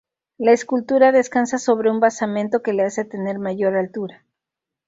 La escultura descansa sobre un basamento que le hace tener mayor altura.